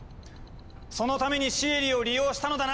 そのためにシエリを利用したのだな！